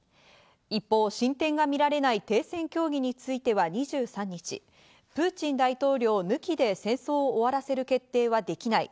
一方、進展が見られない停戦協議については２３日、プーチン大統領抜きで戦争を終わらせる決定はできない。